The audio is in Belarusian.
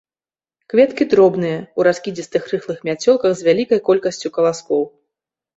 Кветкі дробныя, у раскідзістых рыхлых мяцёлках з вялікай колькасцю каласкоў.